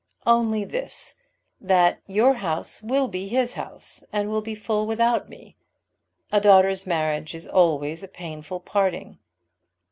"Only this, that your house will be his house, and will be full without me. A daughter's marriage is always a painful parting."